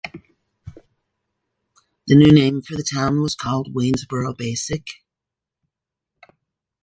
The new name for the town was called Waynesboro-Basic.